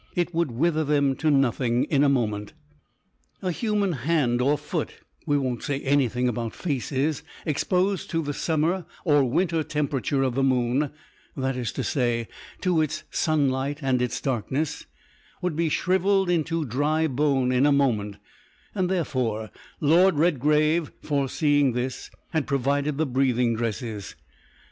It would wither them to nothing in a moment. A human hand or foot we won't say anything about faces exposed to the summer or winter temperature of the moon that is to say, to its sunlight and its darkness would be shrivelled into dry bone in a moment, and therefore Lord Redgrave, foreseeing this, had provided the breathing dresses.